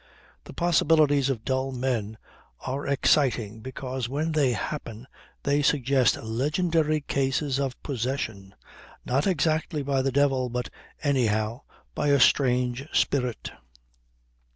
The possibilities of dull men are exciting because when they happen they suggest legendary cases of "possession," not exactly by the devil but, anyhow, by a strange spirit.